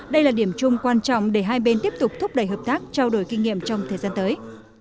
đây là điểm chung quan trọng để hai bên tiếp tục thúc đẩy hợp tác trao đổi kinh nghiệm trong thời gian tới